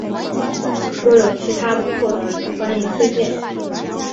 若有其他不错的也欢迎推荐